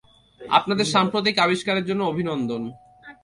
আপনাদের সাম্প্রতিক আবিষ্কারের জন্য অভিনন্দন!